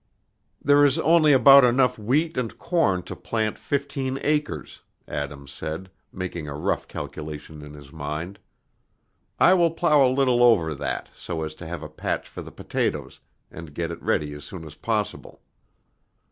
"There is only about enough wheat and corn to plant fifteen acres," Adam said, making a rough calculation in his mind. "I will plow a little over that, so as to have a patch for the potatoes, and get it ready as soon as possible."